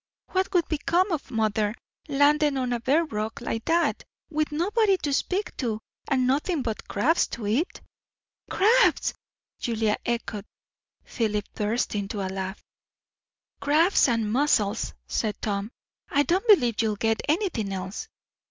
What would become of mother, landed on a bare rock like that, with nobody to speak to, and nothing but crabs to eat?" "Crabs!" Julia echoed. Philip burst into a laugh. "Crabs and mussels," said Tom. "I don't believe you'll get anything else."